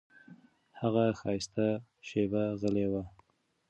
هغه ښایسته شېبه غلی و.